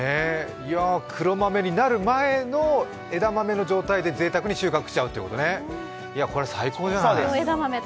黒豆になる前の枝豆の状態でぜいたくに収穫しちゃうということね、これ最高じゃない。